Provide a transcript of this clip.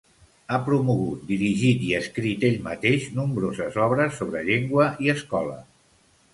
Ha promogut, dirigit i escrit ell mateix nombroses obres sobre llengua i escola.